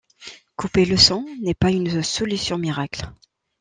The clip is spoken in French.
Couper le son n’est pas une solution miracle.